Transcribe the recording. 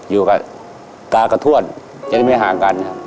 อยู่กับตากับทวดจะได้ไม่ห่างกันครับ